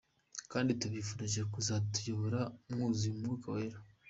kdi tubifurije kuzatuyobora mwuzuye umwuka wera.